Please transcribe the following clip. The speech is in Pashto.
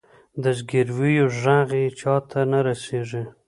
د زګیرویو ږغ یې چاته نه رسیږې